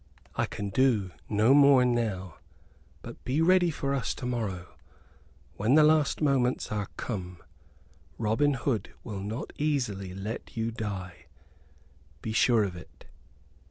I can do no more now; but be ready for us to morrow, when the last moments are come. Robin Hood will not easily let you die, be sure of it."